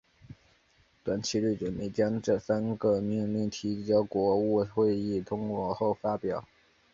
段祺瑞准备将这三个命令提交国务会议通过后即发表。